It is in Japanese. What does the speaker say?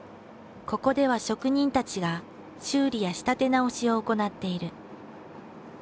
ここでは職人たちが修理や仕立て直しを行っている。